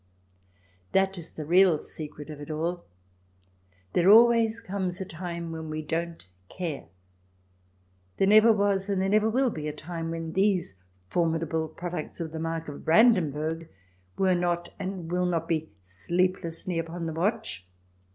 That is the real secret of it all. There always comes a time when we don't care ; there never was and there never will be a time when these formidable products of the mark of Brandenburg were not and will not be sleeplessly upon the watch.